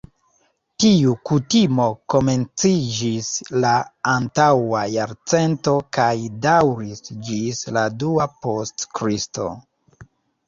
Tiu kutimo komenciĝis la antaŭa jarcento kaj daŭris ĝis la dua post Kristo.